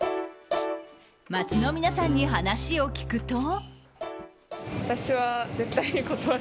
街の皆さんに話を聞くと。